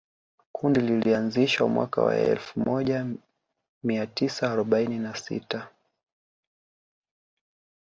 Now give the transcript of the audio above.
Kundi lilianzishwa mwaka wa elfu moja mia tisa arobaini na sita